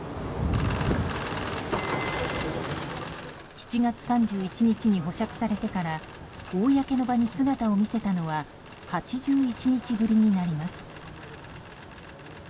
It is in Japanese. ７月３１日に保釈されてから公の場に姿を見せたのは８１日ぶりになります。